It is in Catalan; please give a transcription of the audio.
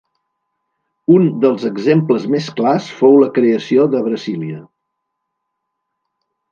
Un dels exemples més clars fou la creació de Brasília.